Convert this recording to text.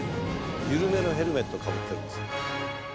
緩めのヘルメットをかぶってるんですよ。